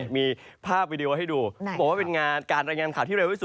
มีภาพวีดีโอให้ดูบอกว่าเป็นงานการรายงานข่าวที่เร็วที่สุด